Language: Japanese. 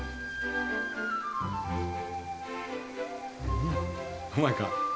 うんうまいか？